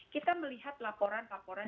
kita melihat laporan